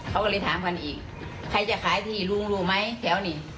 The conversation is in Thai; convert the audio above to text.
เขาก็เลยถามกันอีกใครจะขายที่ลุงรู้ไหมแถวนี้